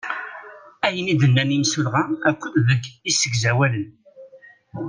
Ayen i d-nnan imsulɣa akked deg isegzawalen.